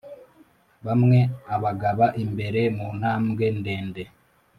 bamwe abagaba imbere muntambwe ndende